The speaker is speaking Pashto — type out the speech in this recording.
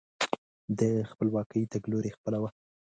د خپلواکۍ تګلوري خپله وه.